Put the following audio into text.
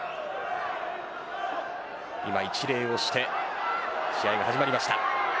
今、一礼をして試合が始まりました。